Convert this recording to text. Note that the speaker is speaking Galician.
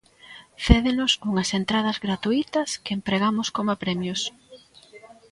Cédenos unhas entradas gratuítas que empregamos como premios.